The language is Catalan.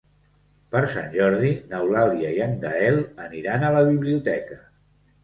Per Sant Jordi n'Eulàlia i en Gaël aniran a la biblioteca.